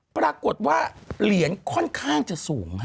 ปรากฏว่าเหรียญค่อนข้างจะสูง